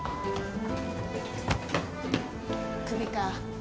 首か。